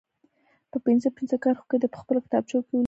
په پنځه پنځه کرښو کې دې په خپلو کتابچو کې ولیکي.